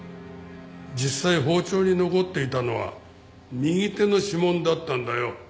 実際包丁に残っていたのは右手の指紋だったんだよ。